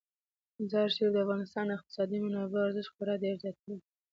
مزارشریف د افغانستان د اقتصادي منابعو ارزښت خورا ډیر زیاتوي.